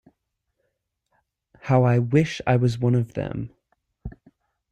How I wish I was one of them!